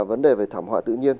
vấn đề về thảm họa tự nhiên